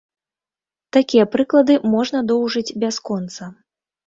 Такія прыклады можна доўжыць бясконца.